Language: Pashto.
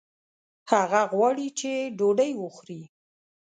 هغه غواړي چې ډوډۍ وخوړي